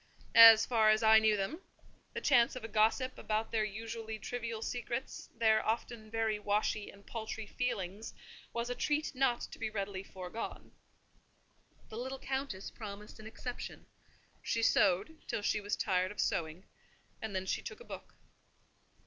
As far as I knew them, the chance of a gossip about their usually trivial secrets, their often very washy and paltry feelings, was a treat not to be readily foregone. The little Countess promised an exception: she sewed till she was tired of sewing, and then she took a book.